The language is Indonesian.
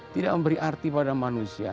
tidak memberi arti pada manusia